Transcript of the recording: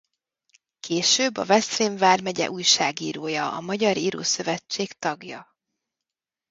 Később a Veszprém Vármegye újságírója.A Magyar Írószövetség tagja.